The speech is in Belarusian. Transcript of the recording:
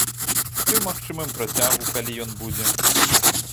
Ці ў магчымым працягу, калі ён будзе.